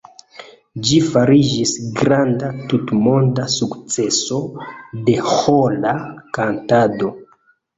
Ĝi fariĝis granda tutmonda sukceso de ĥora kantado.